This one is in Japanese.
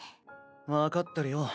分かってるよ。